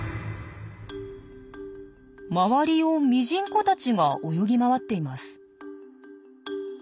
周りをミジンコたちが泳ぎ回っています。